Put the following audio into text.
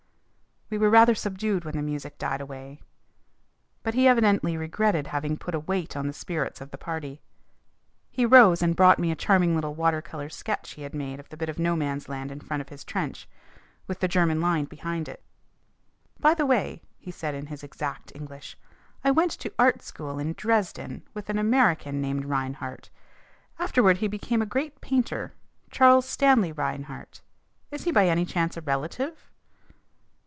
We were rather subdued when the music died away. But he evidently regretted having put a weight on the spirits of the party. He rose and brought me a charming little water colour sketch he had made of the bit of No Man's Land in front of his trench, with the German line beyond it. "By the way," he said in his exact English, "I went to art school in Dresden with an American named Reinhart. Afterward he became a great painter Charles Stanley Reinhart. Is he by any chance a relative?"